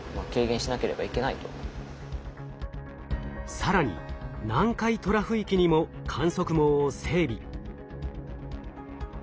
更に南海トラフ域にも観測網を整備。